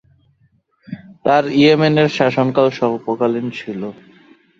তার ইয়েমেনের শাসনকাল স্বল্পকালীন ছিল।